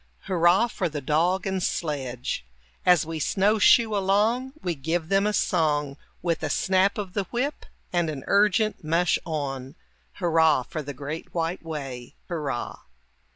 Hurrah for the dog and sledge! As we snow shoe along, We give them a song, With a snap of the whip and an urgent "mush on," Hurrah for the great white way! Hurrah!